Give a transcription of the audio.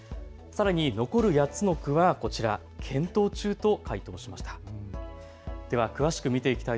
さらに残る８つの区はこちら、検討中と回答しました。